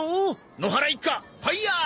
野原一家ファイヤー！